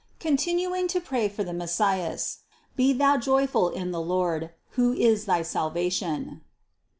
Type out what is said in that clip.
Continuing to pray for the Messias, be thou joyful in the Lord, who is thy salvation."